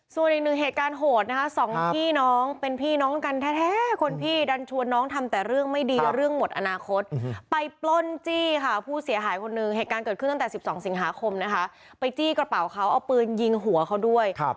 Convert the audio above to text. ส่วนอีกหนึ่งเหตุการณ์โหดนะคะสองพี่น้องเป็นพี่น้องกันแท้คนพี่ดันชวนน้องทำแต่เรื่องไม่ดีเรื่องหมดอนาคตไปปล้นจี้ค่ะผู้เสียหายคนหนึ่งเหตุการณ์เกิดขึ้นตั้งแต่๑๒สิงหาคมนะคะไปจี้กระเป๋าเขาเอาปืนยิงหัวเขาด้วย